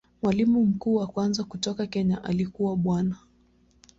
Mwalimu mkuu wa kwanza kutoka Kenya alikuwa Bwana.